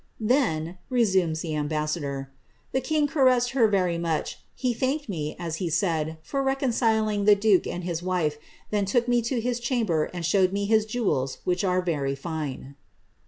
^ Then," resumes the ambassador, ^ the king caressed her very much ; he thanked me, as he said, for reconciling the duke and his wife, then took me to his chamber and showed me hii jewels, which are very fine."